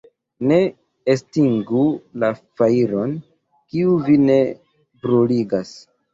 Ne estingu la fajron, kiu vin ne bruligas.